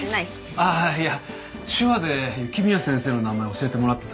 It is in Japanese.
ああいや手話で雪宮先生の名前を教えてもらってたんです。